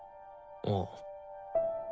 ああ。